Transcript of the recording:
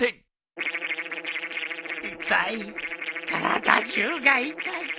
痛い体中が痛い。